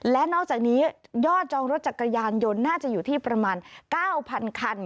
และนอกจากนี้ยอดจองรถจักรยานยนต์น่าจะอยู่ที่ประมาณ๙๐๐คัน